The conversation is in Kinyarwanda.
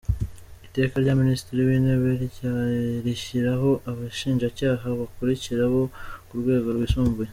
Iteka rya Minisitiri w’Intebe rishyiraho Abashinjacyaha bakurikira bo ku Rwego Rwisumbuye:.